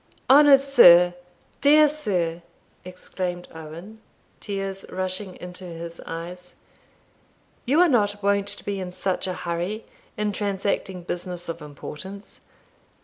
"Honoured sir! dear sir!" exclaimed Owen, tears rushing into his eyes, "you are not wont to be in such a hurry in transacting business of importance.